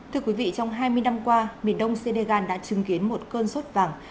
thưa quý vị trong hai mươi năm qua miền đông senegal đã chứng kiến một cơn sốt vàng